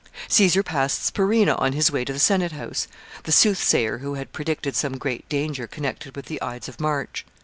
] Caesar passed Spurinna on his way to the senate house the soothsayer who had predicted some great danger connected with the Ides of March.